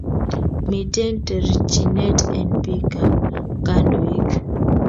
Miten terchinet en pik ak kandoik